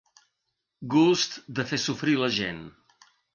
Gust de fer sofrir la gent.